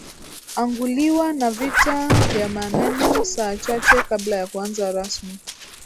anguliwa na vita vya maneno saa chache kabla ya kuanza rasmi